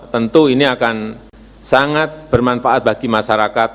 tentu ini akan sangat bermanfaat bagi masyarakat